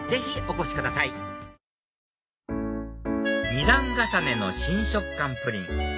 ２段重ねの新食感プリン